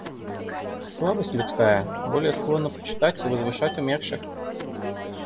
Слабость людская более склонна почитать и возвышать умерших.